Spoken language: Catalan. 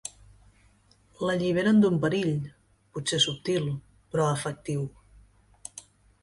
L'alliberen d'un perill, potser subtil, però efectiu.